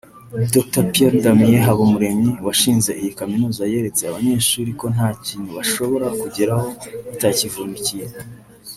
Dr Pierre Damien Habumuremyi washinze iyi kaminuza yeretse abanyeshuri ko nta kintu bashobora kugeraho batakivukiniye